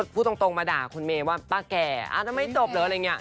พูดตรงมาด่าคุณเมย์ว่าป้าแก่ทำไมจบเหรออะไรอย่างนี้